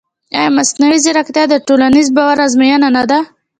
ایا مصنوعي ځیرکتیا د ټولنیز باور ازموینه نه ده؟